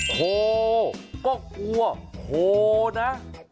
โควิดก็กลัวโควิดนะ